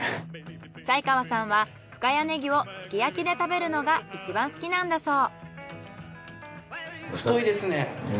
斎川さんは深谷ネギをすき焼きで食べるのが一番好きなんだそう。